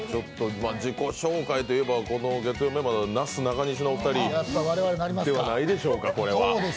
自己紹介といえば、月曜メンバーではなすなかにしのお二人ではないでしょうか。